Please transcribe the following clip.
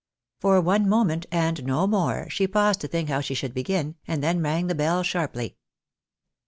For one moment, and no more, she paused to think how she should begin, and then rang the bell sharply.